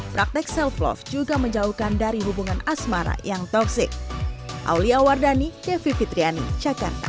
praktek self love juga menjauhkan dari hubungan asmara yang toxic